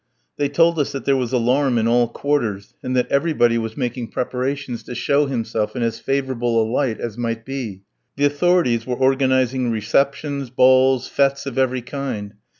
They told us that there was alarm in all quarters, and that everybody was making preparations to show himself in as favourable a light as might be. The authorities were organising receptions, balls, fêtes of every kind.